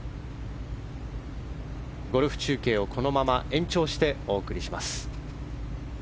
ゴルフ中継をこのまま延長してお送りします。